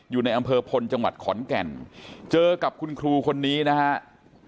อยู่ในอำเภอพลจังหวัดขอนแก่นเจอกับคุณครูคนนี้นะครับ